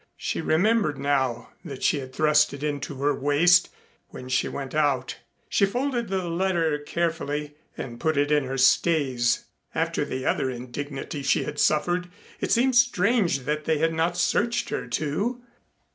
She remembered now that she had thrust it into her waist when she went out. She folded the letter carefully and put it in her stays. After the other indignity she had suffered, it seemed strange that they had not searched her, too.